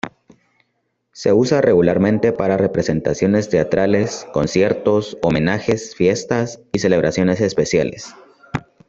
Se usa regularmente para representaciones teatrales, conciertos, homenajes, fiestas y celebraciones especiales.